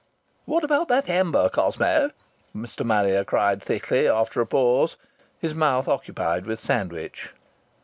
"What about that amber, Cosmo?" Mr. Marrier cried thickly, after a pause, his mouth occupied with sandwich.